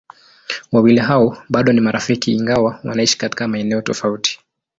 Wawili hao bado ni marafiki ingawa wanaishi katika maeneo tofauti.